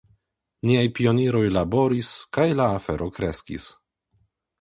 Niaj pioniroj laboris, kaj la afero kreskis.